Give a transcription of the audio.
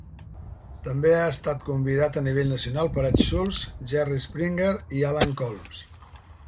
També ha estat convidat a nivell nacional per Ed Schultz, Jerry Springer i Alan Colmes.